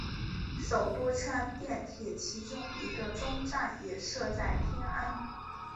首都圈电铁其中一个终站也设在天安。